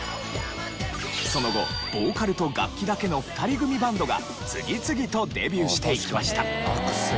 その後ボーカルと楽器だけの２人組バンドが次々とデビューしていきました。